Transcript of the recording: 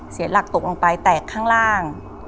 เสียหลักตกลงไปแตกข้างล่าง